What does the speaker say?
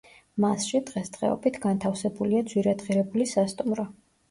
მასში, დღესდღეობით, განთავსებულია ძვირადღირებული სასტუმრო.